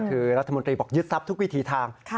คือรัฐมนตรีบอกยึดทรัพย์ทุกวิธีทาง